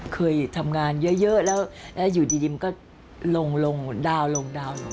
เคยทำงานเยอะแล้วอยู่ดีมันก็ลงดาวลงดาวลง